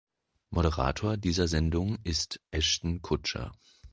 Moderator dieser Sendung ist Ashton Kutcher.